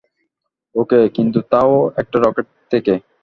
ওকে, কিন্তু তাও, একটা রকেট থেকে?